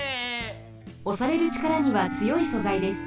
おされるちからにはつよい素材です。